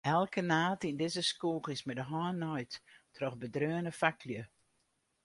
Elke naad yn dizze skoech is mei de hân naaid troch bedreaune faklju.